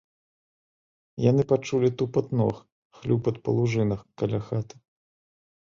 Яны пачулі тупат ног, хлюпат па лужынах каля хаты.